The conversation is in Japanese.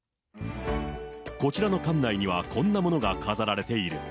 こちらの館内にはこんなものが飾られている。